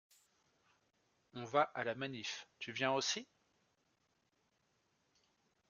On va à la manif, tu viens aussi?